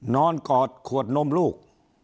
กอดขวดนมลูก